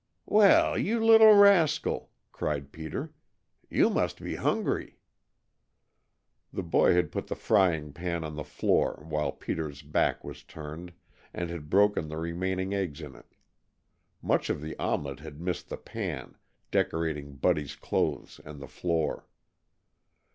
"Well, you little rascal!" cried Peter. "You must be hungry." The boy had put the frying pan on the floor while Peter's back was turned, and had broken the remaining eggs in it. Much of the omelet had missed the pan, decorating Buddy's clothes and the floor.